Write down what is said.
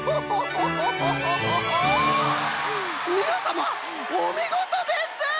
みなさまおみごとです！